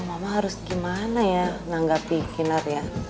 mama harus gimana ya menanggapi kinar ya